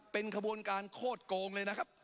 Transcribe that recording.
เป็นขบวนการโคตรโกงเลยนะครับ